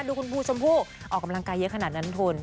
ดูคุณภูชมพู่ออกกำลังกายเยอะขนาดนั้นคุณ